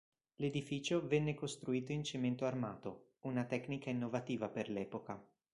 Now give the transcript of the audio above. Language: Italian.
L'edificio venne costruito in cemento armato, una tecnica innovativa per l'epoca.